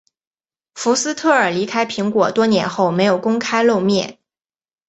福斯特尔离开苹果多年后没有公开露面。